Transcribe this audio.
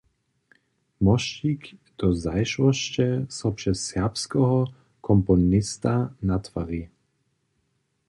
Mosćik do zašłosće so přez serbskeho komponista natwari.